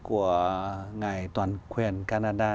của ngài toàn quyền canada